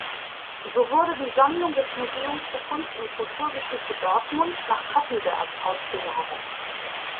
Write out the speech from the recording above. So wurde die Sammlung des Museums für Kunst und Kulturgeschichte Dortmund nach Cappenberg ausgelagert.